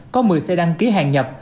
có một mươi xe đăng ký hàng nhập